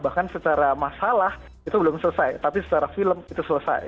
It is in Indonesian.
bahkan secara masalah itu belum selesai tapi secara film itu selesai